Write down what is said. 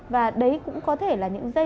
và đấy cũng có thể là những dây